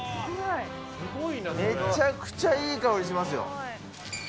めちゃくちゃいい香りしますよ。